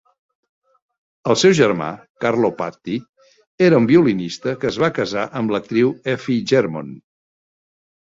El seu germà, Carlo Patti, era un violinista que es va casar amb l'actriu Effie Germon.